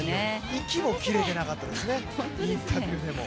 息も切れてなかったですね、インタビューでも。